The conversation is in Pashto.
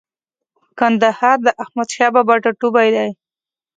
کندهار د احمدشاه بابا ټاټوبۍ دی.